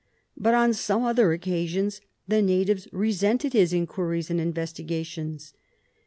But on some other occasions the natives re sented his inquiries and investigations.